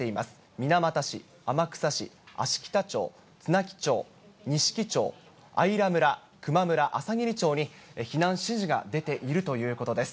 水俣市、天草市、芦北町、津奈木町、錦町、相良村、球磨村、あさぎり町に避難指示が出ているということです。